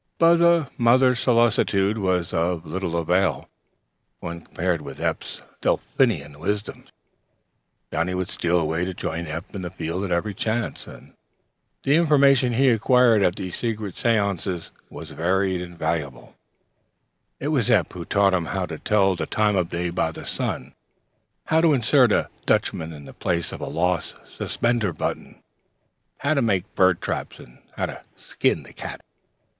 But a mother's solicitude was of little avail when compared with Eph's Delphian wisdom. Johnnie would steal away to join Eph in the field at every chance, and the information he acquired at these secret séances, was varied and valuable. It was Eph who taught him how to tell the time of day by the sun; how to insert a "dutchman" in the place of a lost suspender button; how to make bird traps; and how to "skin the cat."